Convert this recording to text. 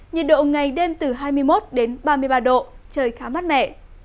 nhiệt độ ngày đêm từ hai mươi một đến ba mươi ba độ trời khá mát mẻ